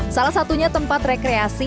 salah satunya tempat rekreasi